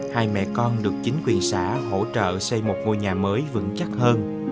hai mẹ con được chính quyền xã hỗ trợ xây một ngôi nhà mới vững chắc hơn